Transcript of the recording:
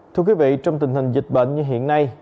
thưa quý vị trong tình hình dịch bệnh như hiện nay